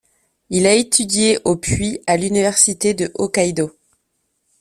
Il a étudié au puis à l'université de Hokkaidō.